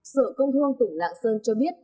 sở công thương tổng nạng sơn cho biết